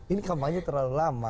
ini kampanye terlalu lama